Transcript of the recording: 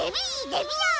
デビアー！